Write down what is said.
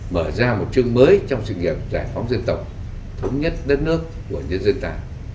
mở ra một chương mới trong sự nghiệp giải phóng dân tộc thống nhất đất nước của nhân dân ta